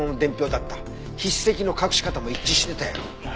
筆跡の隠し方も一致してたよ。